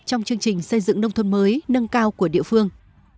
trong chương trình xây dựng nông thôn mới nâng cao của địa phương